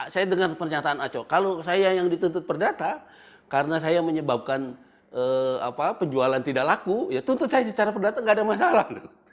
saya dengar pernyataan aco kalau saya yang dituntut perdata karena saya menyebabkan penjualan tidak laku ya tuntut saya secara perdata nggak ada masalah